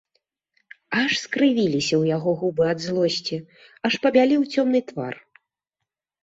Аж скрывіліся ў яго губы ад злосці, аж пабялеў цёмны твар.